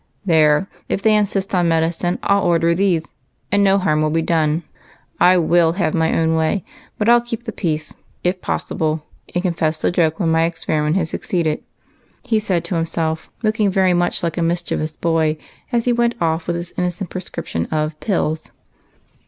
" There ! if they insist on medicine, I '11 order these, and no harm will be done. I ivill have my own way, but I'll keep the peace, if possible, and confess the joke when my experiment has succeeded," he said to himself, looking very much like a mischievous boy, as he went off with his innocent prescriptions.